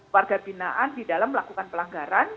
warga binaan di dalam melakukan pelanggaran